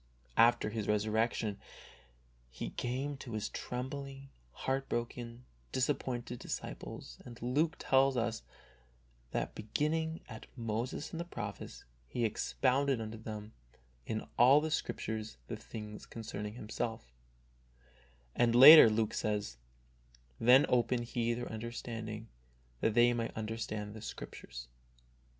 After His resurrection. He came to His trembling, heart broken, disappointed disciples, and Luke tells us that " beginning at Moses and the prophets, He expounded unto them in all the Scriptures the things concerning Himself," and later Luke says, " Then opened He their understanding, that they might understand the Scriptures."